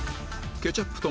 ケチャップと。